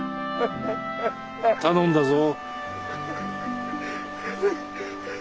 頼んだぞ。